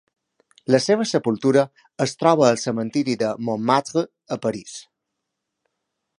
La seva sepultura es troba al Cementiri de Montmartre a París.